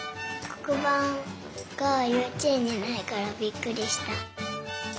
こくばんがようちえんにないからびっくりした。